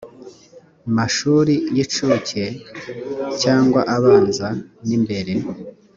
mashuri y incuke cyangwa abanza n imbere